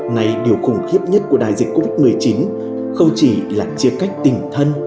này điều khủng khiếp nhất của đại dịch covid một mươi chín không chỉ là chia cách tình thân